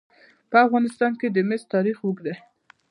په افغانستان کې د مس تاریخ اوږد دی.